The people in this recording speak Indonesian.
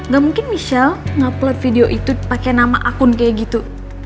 gak mungkin michelle ngeupload video itu pake nama akun kayak gitu